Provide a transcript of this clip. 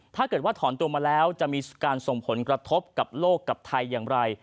ถ้าเกิดว่าถอนตัวมาแล้วจะมีการส่งผลกระทบกับโลกกับไทยอย่างไร